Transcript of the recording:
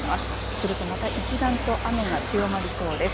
するとまた一段と雨が強まりそうです。